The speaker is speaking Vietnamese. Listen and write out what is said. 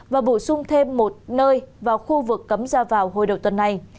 và bổ sung thêm một nơi vào khu vực cấm ra vào hồi đầu tuần này